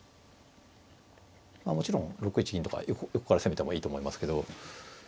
もちろん６一銀とか横から攻めてもいいと思いますけど。